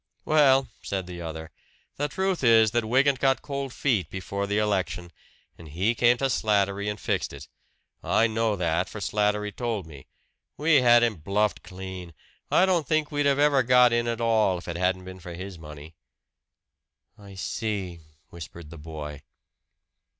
"Well," said the other, "the truth is that Wygant got cold feet before the election, and he came to Slattery and fixed it. I know that, for Slattery told me. We had him bluffed clean I don't think we'd ever have got in at all if it hadn't been for his money." "I see!" whispered the boy.